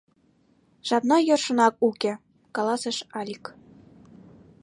— Жапна йӧршынак уке, — каласыш Алик.